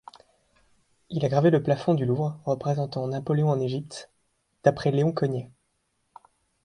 Il a gravé le plafond du Louvre, représentant Napoléon en Égypte, d'après Léon Cogniet.